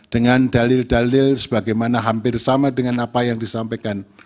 dengan dalil dalil sebagaimana hampir sama dengan apa yang disampaikan